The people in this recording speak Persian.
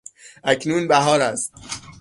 اکنون بهار است.